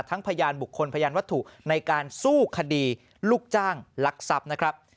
พยานบุคคลพยานวัตถุในการสู้คดีลูกจ้างลักทรัพย์นะครับ